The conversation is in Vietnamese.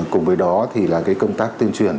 cùng với đó thì là cái công tác tuyên truyền